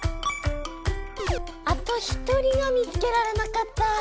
あと１人が見つけられなかった。